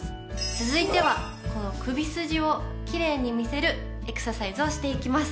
続いてはこの首筋を奇麗に見せるエクササイズをしていきます。